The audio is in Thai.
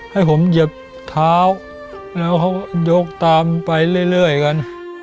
ให้ผมเหยียบเท้าแล้วเขายกตามไปเรื่อยกัน